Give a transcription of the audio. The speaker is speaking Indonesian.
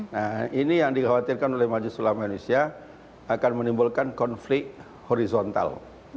nah ini yang dikhawatirkan oleh majlis ulama indonesia akan menimbulkan konflik horizontal